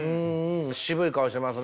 渋い顔していますね。